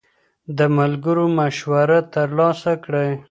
د ملګرو مشوره ترلاسه کړئ.